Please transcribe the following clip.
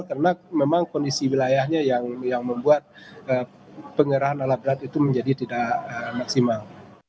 karena memang kondisi wilayahnya yang membuat pengerahan alat berat itu menjadi tidak maksimal